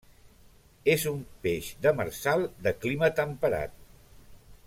És un peix demersal de clima temperat.